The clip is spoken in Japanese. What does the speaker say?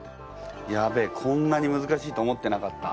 やべえこんなにむずかしいと思ってなかった。